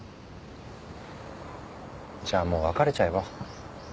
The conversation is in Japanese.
じゃあもう別れちゃえば？